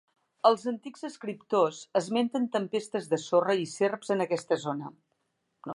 Els antics escriptors esmenten tempestes de sorra i serps en aquesta zona.